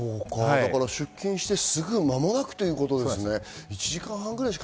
出勤して間もなくということですね。